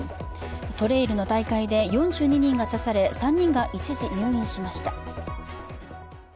トレイルの大会で４２人が刺され、３人が一時入院しました。